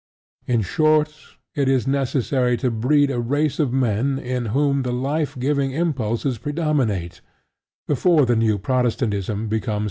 In short, it is necessary to breed a race of men in whom the life giving impulses predominate, before the New Protestantism becomes politically practicable.